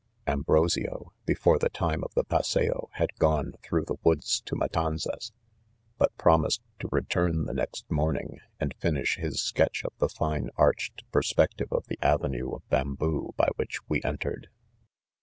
Ambrosio, be fore the time of the passeo, had gone through the wood to Matanzas, but promised to return the next morning, and finish his sketch of the fine arched^ perspective of the avenue of bam boo by which we entered.